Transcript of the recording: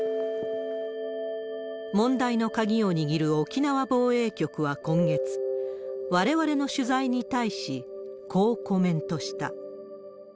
問題の鍵を握る沖縄防衛局は今月、われわれの取材に対し、こうコメントした。